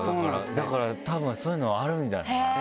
だからたぶんそういうのはあるんじゃない？